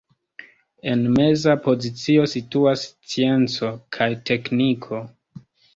En meza pozicio situas scienco kaj tekniko.